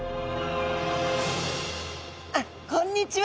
あっこんにちは！